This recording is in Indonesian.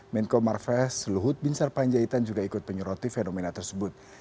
menko marves luhut binsar panjaitan juga ikut penyeroti fenomena tersebut